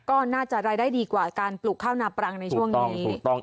ก็น่าจะรายได้ดีกว่าการปลูกข้าวนาปรังในช่วงนี้ถูกต้อง